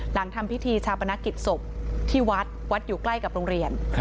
ทำพิธีชาปนกิจศพที่วัดวัดอยู่ใกล้กับโรงเรียน